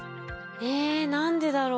え何でだろう？